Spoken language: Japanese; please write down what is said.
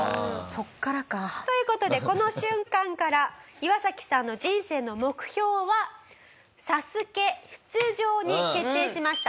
そこからか。という事でその瞬間からイワサキさんの人生の目標は『ＳＡＳＵＫＥ』出場に決定しました。